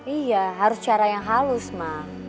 iya harus cara yang halus mah